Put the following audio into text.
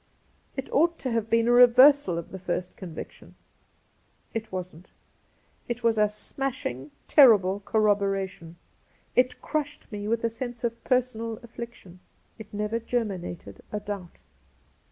It ought to have been a reversal of the first conviction. It wasn't. It was a smashing, terrible corroboration. It crushed me with a sense of personal affliction. It never germinated a doubt.